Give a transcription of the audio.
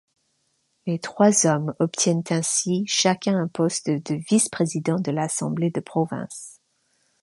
Les trois hommes obtiennent ainsi chacun un poste de vice-président de l'Assemblée de Province.